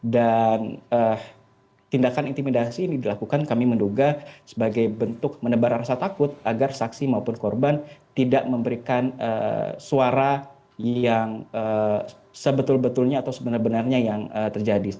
dan tindakan intimidasi ini dilakukan kami menduga sebagai bentuk menebar rasa takut agar saksi maupun korban tidak memberikan suara yang sebetul betulnya atau sebenarnya yang terjadi